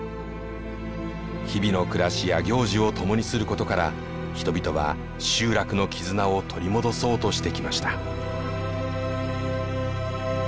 日々の暮らしや行事を共にすることから人々は集落の絆を取り戻そうとしてきました。